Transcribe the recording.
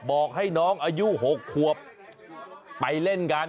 บอกให้น้องอายุ๖ขวบไปเล่นกัน